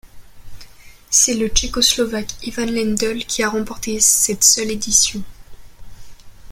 C'est le Tchécoslovaque Ivan Lendl qui a remporté cette seule édition.